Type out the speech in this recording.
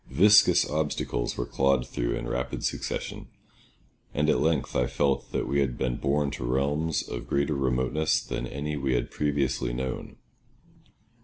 Viscous obstacles were clawed through in rapid succession, and at length I felt that we had been borne to realms of greater remoteness than any we had previously known.